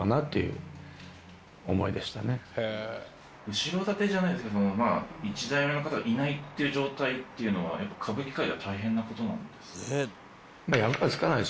後ろ盾じゃないですけど１代目の方がいないっていう状態っていうのは歌舞伎界では大変な事なんですか？